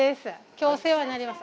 今日お世話になります。